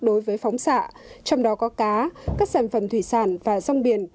đối với phóng xạ trong đó có cá các sản phẩm thủy sản và rong biển